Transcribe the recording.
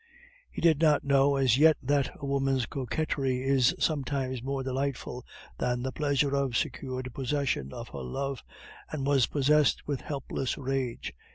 He did not know as yet that a woman's coquetry is sometimes more delightful than the pleasure of secure possession of her love, and was possessed with helpless rage.